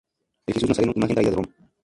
El Jesús Nazareno imagen traída de Roma.